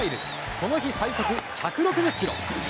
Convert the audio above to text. この日最速、１６０キロ。